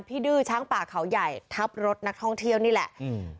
ดื้อช้างป่าเขาใหญ่ทับรถนักท่องเที่ยวนี่แหละอืม